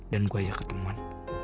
dan gue ajak ketemuan